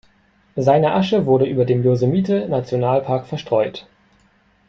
Seine Asche wurde über dem Yosemite-Nationalpark verstreut.